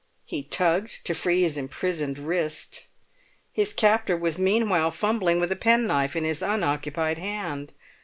He tugged to free his imprisoned wrist. His captor was meanwhile fumbling with a penknife in his unoccupied hand.